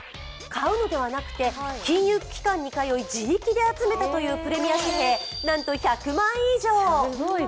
買うのではなくて、金融機関に通い自力で集めたというプレミア紙幣、なんと１００枚以上。